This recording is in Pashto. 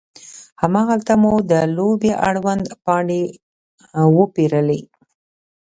هماغلته مو د لوبې اړوند پاڼې وپیرلې.